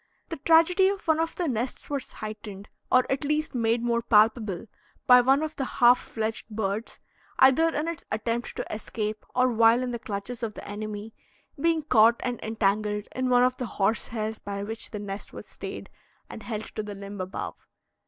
The tragedy of one of the nests was heightened, or at least made more palpable, by one of the half fledged birds, either in its attempt to escape or while in the clutches of the enemy, being caught and entangled in one of the horse hairs by which the nest was stayed and held to the limb above.